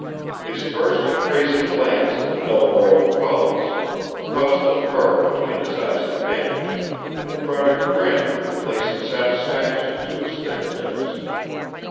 His first appraising glance of the double row of collies caused the furrow between his eyes to vanish and brought a grin of complacent satisfaction to his thin lips.